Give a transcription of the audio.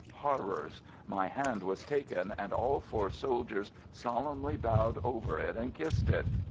Horrors! My hand was taken and all four soldiers solemnly bowed over it and kissed it.